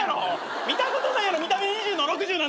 見たことないやろ見た目２０の６０なんて。